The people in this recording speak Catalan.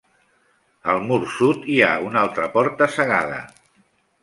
Al mur sud hi ha una altra porta cegada.